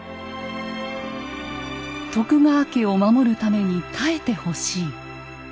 「徳川家を守るために耐えてほしい」。